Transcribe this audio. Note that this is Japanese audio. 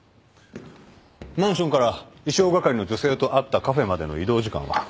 マンションから衣装係の女性と会ったカフェまでの移動時間は？